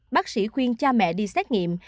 bác sĩ khuyên cha mẹ đi xét nghiệm